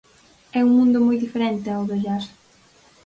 É un mundo moi diferente ao do jazz.